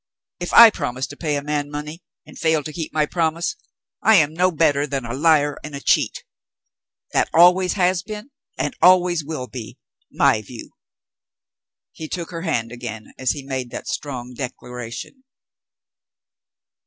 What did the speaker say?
If I promise to pay a man money, and fail to keep my promise, I am no better than a liar and a cheat. That always has been, and always will be, my view." He took her hand again as he made that strong declaration.